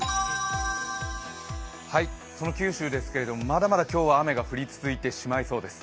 その九州ですけれどもまだまだ今日は雨が降り続いてしまいそうです。